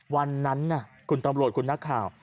วันนั้นคุณตำรวจคุณนักข่าว